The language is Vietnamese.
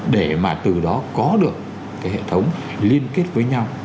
để mà từ đó có được cái hệ thống liên kết với nhau